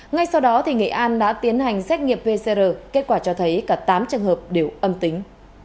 ngay sau đó nghệ an đã tiến hành xét nghiệm pcr kết quả cho thấy cả tám trường hợp đều âm tính